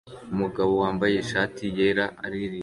Umugabo wambaye ishati yera aririmba